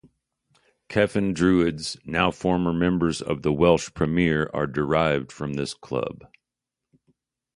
Cefn Druids now former members of the Welsh Premier are derived from this club.